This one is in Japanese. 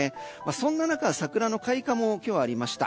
そんな中桜の開花も今日はありました。